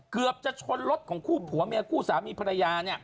เกือบจะชนรถของคู่ผัวเมียคู่สามีภรรยา